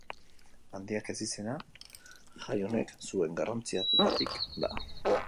Handiak ezizena, jai honek zuen garrantziagatik da.